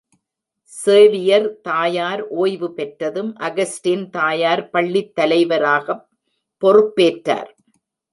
Xavier தாயார் ஓய்வு பெற்றதும், அகஸ்டின் தாயார் பள்ளித் தலைவராகப் பொறுப்பேற்றார்.